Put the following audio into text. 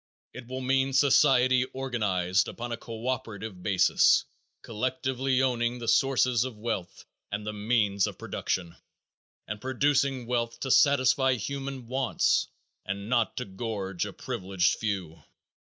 If will mean society organized upon a co operative basis, collectively owning the sources of wealth and the means of production, and producing wealth to satisfy human wants and not to gorge a privileged few.